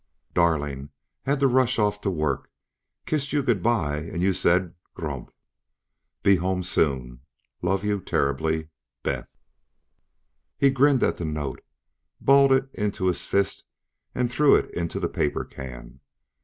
DARLING, HAD TO RUSH OFF TO WORK. KISSED YOU GOOD BY AND YOU SAID "GLUMPTH". BE HOME SOON. LOVE YOU TERRIBLY. BETH He grinned at the note, balled it into his fist and threw it into the paper can.